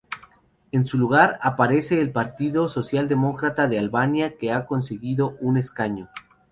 En su lugar, aparece el Partido Socialdemócrata de Albania que ha conseguido un escaño.